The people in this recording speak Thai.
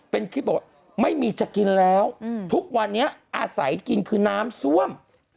เป็นคลิปบอกว่าไม่มีจะกินแล้วทุกวันนี้อาศัยกินคือน้ำซ่วม